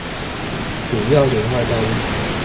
主要聯外道路